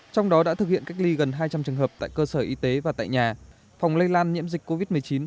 trong đó đã thực hiện cách ly gần hai trăm linh trường hợp tại cơ sở y tế và tại nhà phòng lây lan nhiễm dịch covid một mươi chín